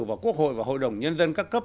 vào quốc hội và hội đồng nhân dân các cấp